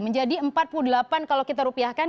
menjadi empat puluh delapan kalau kita rupiahkan